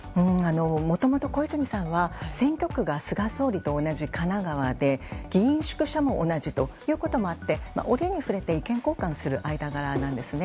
もともと、小泉さんは選挙区が菅総理と同じ神奈川で議員宿舎も同じということもあって折に触れて意見交換をする間柄なんですね。